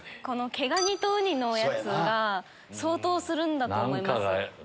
毛ガニとウニのやつが相当するんだと思います。